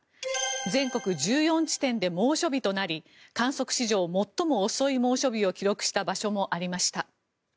全国１４地点で猛暑日となり観測史上最も遅い猛暑日を記録した場所もありました。